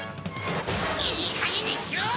いいかげんにしろ！